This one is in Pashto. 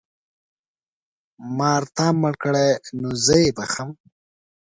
مار تا مړ کړی نو زه یې بښم.